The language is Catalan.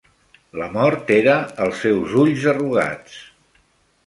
"La mort era als seus ulls arrugats."